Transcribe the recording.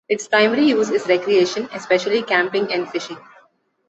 Its primary use is recreation, especially camping and fishing.